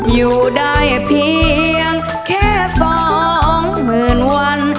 อยู่ได้เพียงแค่สองหมื่นวัน